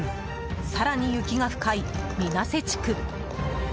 更に雪が深い皆瀬地区。